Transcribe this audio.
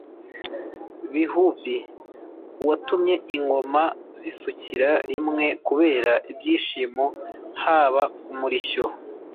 bihubi: uwatumye ingoma zisukira rimwe kubera ibyishimo haba umurishyo